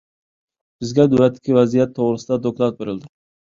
بىزگە نۆۋەتتىكى ۋەزىيەت توغرىسىدا دوكلات بېرىلدى.